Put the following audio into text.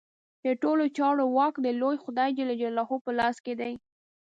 د ټولو چارو واک د لوی خدای جل جلاله په لاس کې دی.